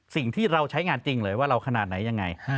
สิ่งที่เราใช้งานจริงเลยว่าเราขนาดไหนยังไง